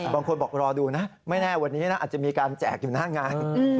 บางคนบอกรอดูนะไม่แน่วันนี้นะอาจจะมีการแจกอยู่หน้างาน